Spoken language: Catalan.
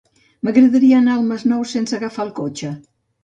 M'agradaria anar al Masnou sense agafar el cotxe.